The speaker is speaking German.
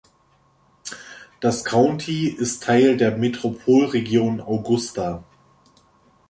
Das County ist Teil der Metropolregion Augusta.